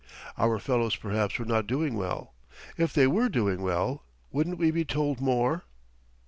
Our fellows perhaps were not doing well. If they were doing well, wouldn't we be told more?